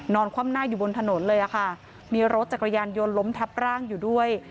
คว่ำหน้าอยู่บนถนนเลยค่ะมีรถจักรยานยนต์ล้มทับร่างอยู่ด้วย